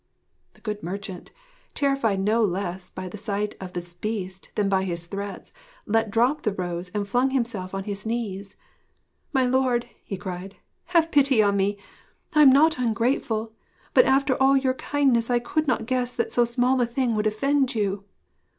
The good merchant, terrified no less by the sight of this Beast than by his threats, let drop the rose and flung himself on his knees. 'My Lord,' he cried, 'have pity on me! I am not ungrateful; but after all your kindness I could not guess that so small a thing would offend you.'